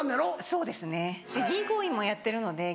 そうですね銀行員もやってるので。